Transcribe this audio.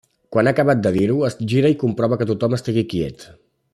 Quan ha acabat de dir-ho, es gira i comprova que tothom estigui quiet.